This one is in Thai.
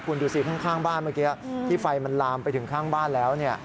คุณดูสิข้างบ้านเมื่อกี้ที่ไฟมันลามไปถึงข้างบ้านแล้ว